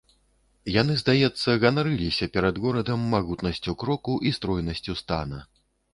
Яны, здаецца, ганарыліся перад горадам магутнасцю кроку і стройнасцю стана.